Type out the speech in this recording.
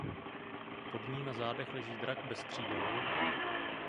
Pod ní na zádech leží drak bez křídel.